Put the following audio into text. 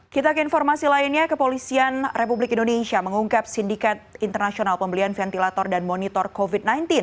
kita ke informasi lainnya kepolisian republik indonesia mengungkap sindikat internasional pembelian ventilator dan monitor covid sembilan belas